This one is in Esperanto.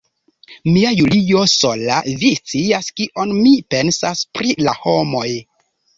Mia Julio, sola vi scias, kion mi pensas pri la homoj.